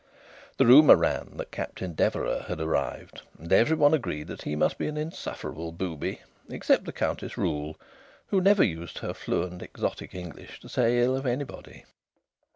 The rumour ran that Captain Deverax had arrived, and every one agreed that he must be an insufferable booby, except the Countess Ruhl, who never used her fluent exotic English to say ill of anybody.